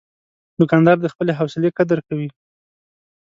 دوکاندار د خپلې حوصلې قدر کوي.